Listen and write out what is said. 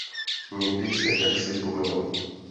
Někdy se jaksi pominou.